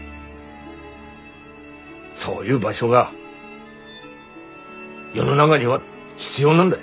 そういう場所が世の中には必要なんだ。